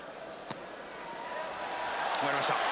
決まりました。